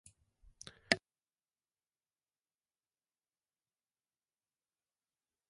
美しき薔薇に希望と夢を与えましょう